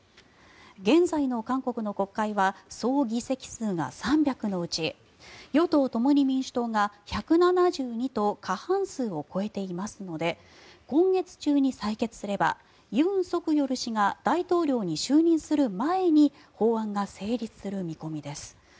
現在の韓国の国会は総議席数が３００のうち与党・共に民主党が１７２と過半数を超えていますので今月中に採決すれば尹錫悦氏が大統領に就任する前に法案が成立する見込みです。